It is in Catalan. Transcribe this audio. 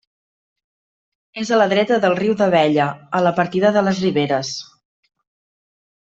És a la dreta del riu d'Abella, a la partida de les Riberes.